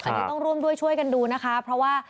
แต่ต้องร่วมด้วยช่วยกันดูนะคะ